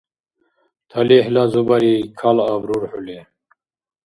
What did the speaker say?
Талихӏла зубари калаб рурхӏули.